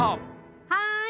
はい！